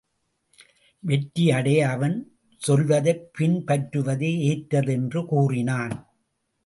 வெற்றி அடைய அவன் சொல்வதைப் பின் பற்றுவதே ஏற்றது என்று கூறினான்.